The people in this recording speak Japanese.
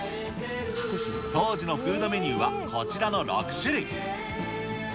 当時のフードメニューはこちらの６種類。